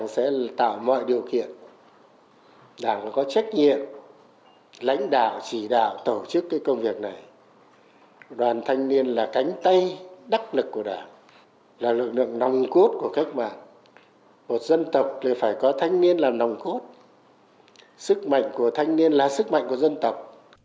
sức mạnh của thanh niên là sức mạnh của dân tộc